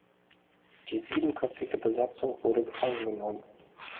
Die siebenköpfige Besatzung wurde gefangen genommen.